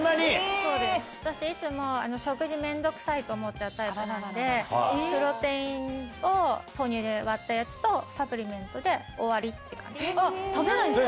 そうです私いつも。と思っちゃうタイプなのでプロテインを豆乳で割ったやつとサプリメントで終わりって感じ。